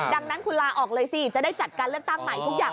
ดังนั้นคุณลาออกเลยสิจะได้จัดการเลือกตั้งใหม่ทุกอย่าง